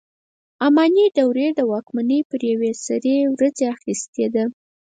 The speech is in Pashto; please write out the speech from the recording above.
اماني دورې واکمني پر یوې سرې ورځې اخیستې ده.